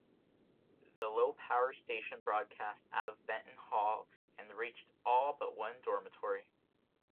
The low-power station broadcast out of Benton Hall and reached all but one dormitory.